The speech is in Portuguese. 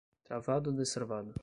Travado ou destravado?